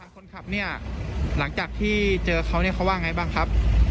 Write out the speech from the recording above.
คนขับเนี่ยหลังจากที่เจอเขาเนี่ยเขาว่าไงบ้างครับ